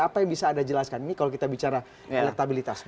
apa yang bisa anda jelaskan ini kalau kita bicara elektabilitas